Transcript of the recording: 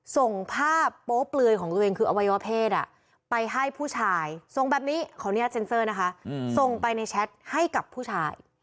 ส่งภาพโป๊เปลือยของตัวเองคืออวัยวเพศไปให้ผู้ชายส่งแบบนี้ขออนุญาตเซ็นเซอร์นะคะส่งไปในแชทให้กับผู้ชาย